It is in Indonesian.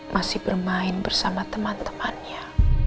masih bermain bersama teman temannya